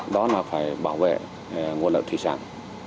đó là phải bảo vệ nguồn lợi thủy sản